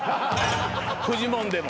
フジモンでも。